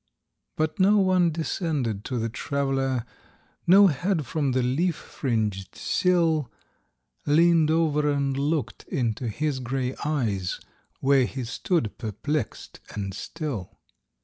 But no one descended to the Traveler; No head from the leaf fringed sill Leaned over and looked into his gray eyes, Where he stood perplexed and still.